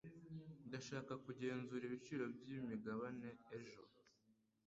Ndashaka kugenzura ibiciro byimigabane ejo ...